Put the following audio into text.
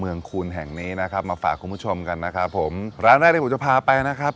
คูณแห่งนี้นะครับมาฝากคุณผู้ชมกันนะครับผมร้านแรกที่ผมจะพาไปนะครับ